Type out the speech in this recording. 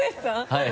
はい。